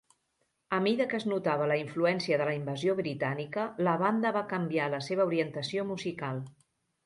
A mida que es notava la influència de la invasió britànica, la banda va canviar la seva orientació musical.